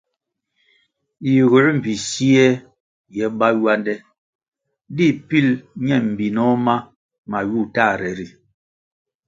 Yiguer mbpi siè ye bá ywande di pil ñe mbinoh ma mayu tahre ri.